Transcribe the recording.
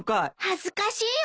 恥ずかしいわ。